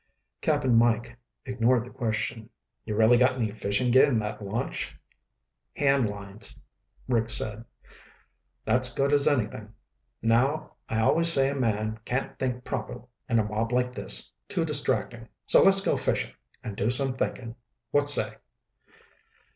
Cap'n Mike ignored the question. "You really got any fishing gear in that launch?" "Hand lines," Rick said. "That's good as anything. Now, I always say a man can't think proper in a mob like this. Too distracting. So let's go fishing and do some thinking. What say?"